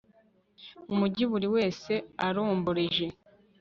mu mugi buri wese aromboreje